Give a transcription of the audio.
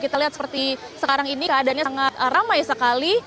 kita lihat seperti sekarang ini keadaannya sangat ramai sekali